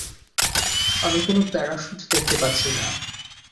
আমি কোনো প্যারাশ্যুট দেখতে পাচ্ছি না।